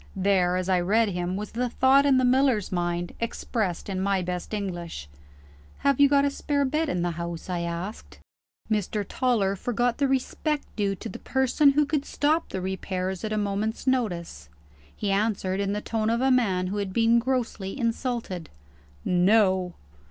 There, as I read him, was the thought in the miller's mind, expressed in my best English. "Have you got a spare bed in the house?" I asked. Mr. Toller forgot the respect due to the person who could stop the repairs at a moment's notice. He answered in the tone of a man who had been grossly insulted: "No!"